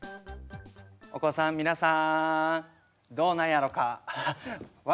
お子さん皆さんどうなんやろか？笑